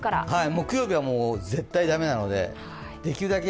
木曜日は絶対駄目なのでできるだけ